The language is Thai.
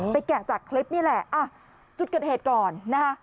แกะจากคลิปนี่แหละจุดเกิดเหตุก่อนนะฮะ